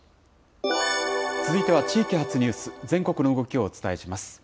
続いては地域発ニュース、全国の動きをお伝えします。